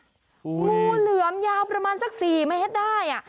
มูเหลือมยาวประมาณสัก๔ไม่เห็นได้